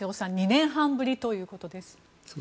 ２年半ぶりということです。